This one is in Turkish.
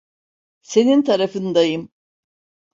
Senin tarafındayım.